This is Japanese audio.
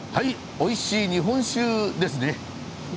おいしい日本酒ですね。